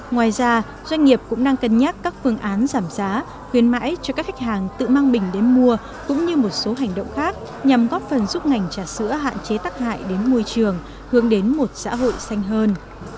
ngoài ra doanh nghiệp cũng đang cân nhắc các phương án giảm giá khuyến mãi cho các khách hàng tự mang bình đến mua cũng như một số hành động khác nhằm góp phần giúp ngành trà sữa hạn chế tắc hại đến môi trường hướng đến một xã hội xanh hơn